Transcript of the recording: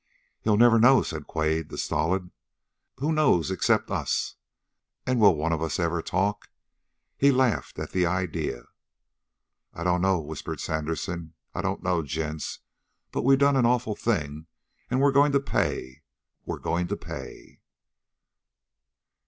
"He'll never know," said Quade, the stolid. "Who knows except us? And will one of us ever talk?" He laughed at the idea. "I dunno," whispered Sandersen. "I dunno, gents. But we done an awful thing, and we're going to pay we're going to pay!"